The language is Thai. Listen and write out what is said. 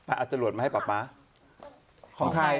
อาจละจรวดไฟ้ข้า